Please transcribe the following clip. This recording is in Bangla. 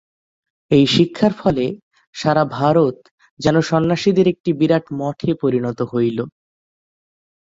এই শিক্ষার ফলে সারা ভারত যেন সন্ন্যাসীদের একটি বিরাট মঠে পরিণত হইল।